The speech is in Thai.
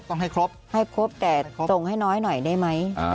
ต้องให้ครบให้ครบแต่ส่งให้น้อยหน่อยได้ไหม